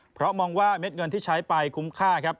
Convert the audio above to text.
เพราะมองว่าเม็ดเงินที่ใช้ไปคุ้มค่าครับ